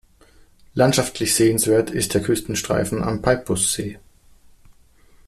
Landschaftlich sehenswert ist der Küstenstreifen am Peipus-See.